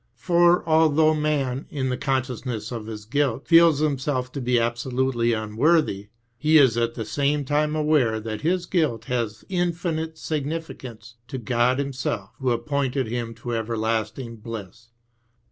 For although man, in the consciousness of his guilt, feels himself to be absolutely unworthy, he is at the same time aware that his guilt has infinite significance to God Himself, who appointed him to everlasting bliss.